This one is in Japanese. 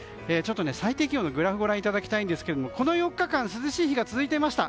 最低気温のグラフをご覧いただきたいんですけどもこの４日間涼しい日が続いていました。